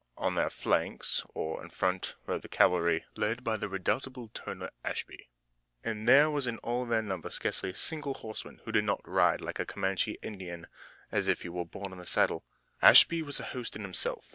On their flanks or in front rode the cavalry, led by the redoubtable Turner Ashby, and there was in all their number scarcely a single horseman who did not ride like the Comanche Indian, as if he were born in the saddle. Ashby was a host in himself.